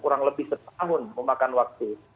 kurang lebih setahun memakan waktu